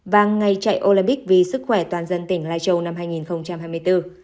và ngày chạy olympic vì sức khỏe toàn dân tỉnh lai châu năm hai nghìn hai mươi bốn